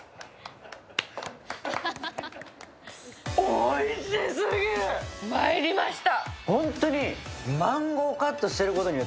おいしすぎる、参りました。